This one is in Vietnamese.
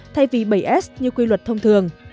thay vì bảy s như quy luật thông thường